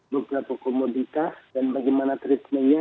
beberapa komoditas dan bagaimana treatmentnya